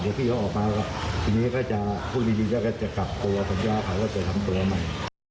เดี๋ยวพี่เขาออกมาพูดดีจะกลับตัวสัญญาขาวจะทำตัวใหม่